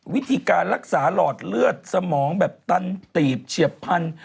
วิธีการรักษาหลอดเลือดสมองแบบตันตีบเฉียบพันธุ